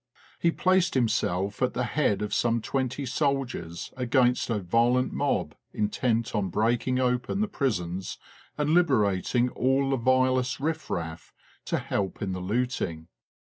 He placed himself at the head of some twenty soldiers against a violent mob intent on breaking open the prisons and liberating all the vilest riff raff to help in the looting.